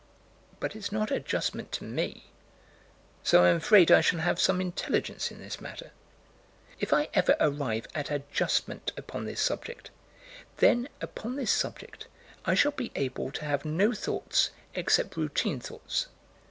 But it's not adjustment to me; so I'm afraid I shall have some intelligence in this matter. If I ever arrive at adjustment upon this subject, then, upon this subject, I shall be able to have no thoughts, except routine thoughts.